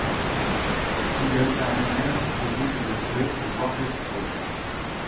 Le single permet même au groupe de jouer au Warped Tour.